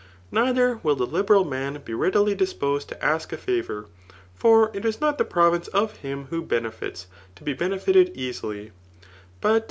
Neither will the liberal man be readily disposed, to ask a favour; for it is not the province of him who be nefits, to be benefited easily. But.